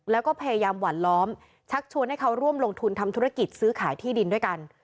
แล้วก็พยายามหวั่นล้อมชักชวนให้เขาร่วมลงทุนทำธุรกิจซื้อขายที่ดินด้วยกัน